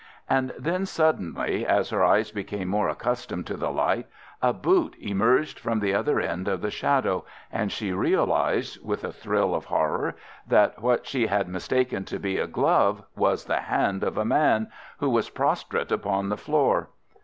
And then suddenly, as her eyes became more accustomed to the light, a boot emerged from the other end of the shadow, and she realized, with a thrill of horror, that what she had taken to be a glove was the hand of a man, who was prostrate upon the floor.